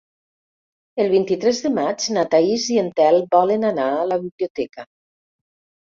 El vint-i-tres de maig na Thaís i en Telm volen anar a la biblioteca.